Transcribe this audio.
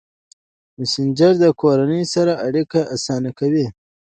مسېنجر د کورنۍ سره اړیکه اسانه کوي.